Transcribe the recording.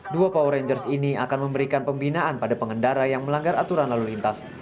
dua power rangers ini akan memberikan pembinaan pada pengendara yang melanggar aturan lalu lintas